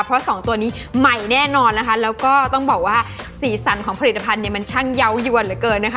เพราะสองตัวนี้ใหม่แน่นอนนะคะแล้วก็ต้องบอกว่าสีสันของผลิตภัณฑ์เนี่ยมันช่างเยาวยวนเหลือเกินนะคะ